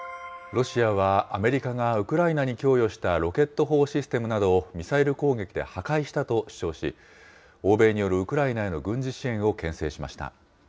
ロシアはアメリカがウクライナに供与したロケット砲システムなどを、ミサイル攻撃で破壊したと主張し、欧米によるウクライナへの軍事支援をけん制しました。